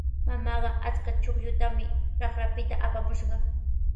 Mamaaqa achka chuqllutami raqrapita apamushqa.